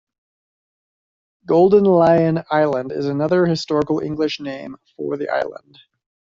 Golden Lion Island is another historical English name for the island.